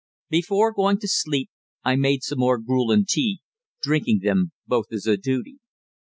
Before going to sleep I made some more gruel and tea, drinking them both as a duty.